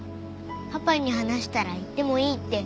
パパに話したら行ってもいいって。